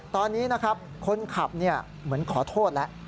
ตอนนี้นะครับคนขับเหมือนขอโทษแล้ว